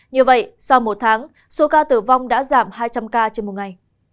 như vậy sau một tháng số ca tử vong đã giảm hai trăm linh ca trên một ngày